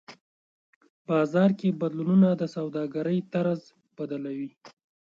بازار کې بدلونونه د سوداګرۍ طرز بدلوي.